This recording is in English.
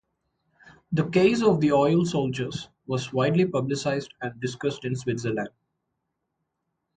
The case of the "oil soldiers" was widely publicised and discussed in Switzerland.